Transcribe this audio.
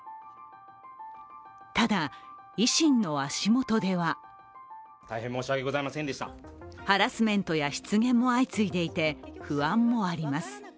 ただ、維新の足元ではハラスメントや失言も相次いでいて、不安もあります。